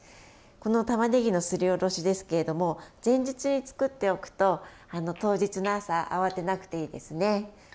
この、たまねぎのすりおろしですけれども前日に作っておくと当日の朝、慌てなくていいですね。